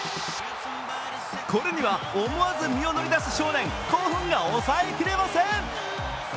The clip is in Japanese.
これには思わず身を乗り出す少年、興奮が抑えきれません。